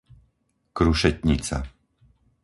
Krušetnica